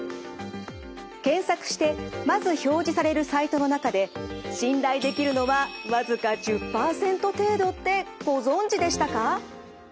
検索してまず表示されるサイトの中で信頼できるのは僅か１０％程度ってご存じでしたか？